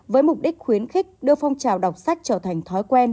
với mục đích khuyến khích đưa phong trào đọc sách trở thành thói quen